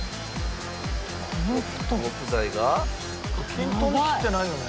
均等に切ってないよね。